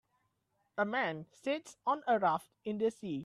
A man sits on a raft in the sea